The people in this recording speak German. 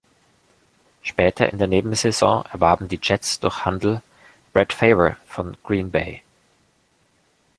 Später in der Nebensaison erwarben die Jets durch Handel Brett Favre von Green Bay.